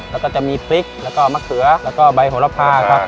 แล้วก็จะมีพริกแล้วก็มะเขือแล้วก็ใบโหระพาครับ